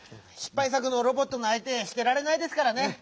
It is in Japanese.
しっぱいさくのロボットのあい手してられないですからね。